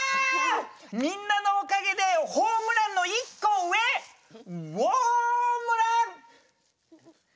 みんなのおかげでホームランの一個上ウオームラン！